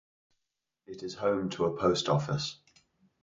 It is home to a post office.